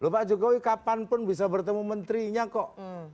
pak jokowi kapan pun bisa bertemu menterinya kok